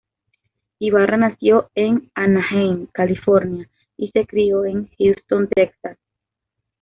Ibarra nació en Anaheim, California, y se crio en Houston, Texas.